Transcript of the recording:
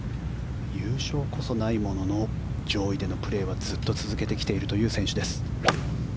優勝こそないものの上位でのプレーはずっと続けてきているという選手です。